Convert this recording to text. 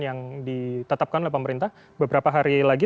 yang ditetapkan oleh pemerintah beberapa hari lagi